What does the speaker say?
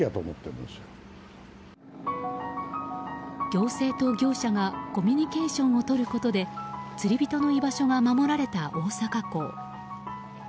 行政と業者がコミュニケーションをとることで釣り人の居場所が守られた大阪港。